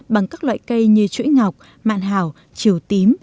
bằng các loại cây như chuỗi ngọc mạn hảo chiều tím